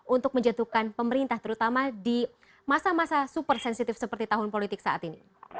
untuk menjatuhkan pemerintah terutama di masa masa super sensitif seperti tahun politik saat ini